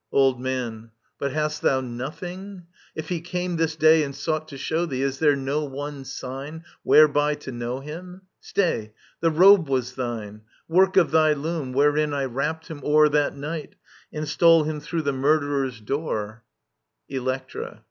Old Man. But hast thou nothing •..? If he came this day And sought to show thee, is there no one sign Whereby to know him? ... Stay; the robe was thine. Work of thy loom, wherein I wrapt him o'er That night, and stole him through the murderers' door. Digitized by VjOOQIC ELECTRA 33 Electra.